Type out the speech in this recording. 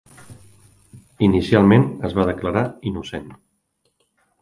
Inicialment es va declarar innocent.